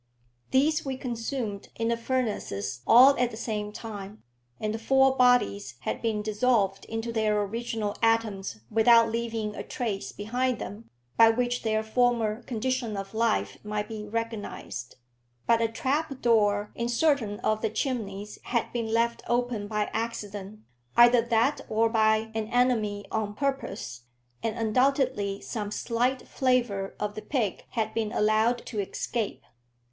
These we consumed in the furnaces all at the same time, and the four bodies had been dissolved into their original atoms without leaving a trace behind them by which their former condition of life might be recognised. But a trap door in certain of the chimneys had been left open by accident, either that or by an enemy on purpose, and undoubtedly some slight flavour of the pig had been allowed to escape.